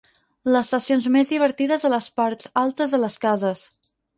Les sessions més divertides a les parts altes de les cases.